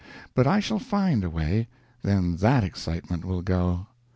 But I shall find a way then _that _excitement will go.